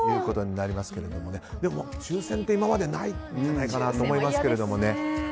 抽選って今までにないんじゃないかなと思います。